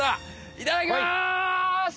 いただきます！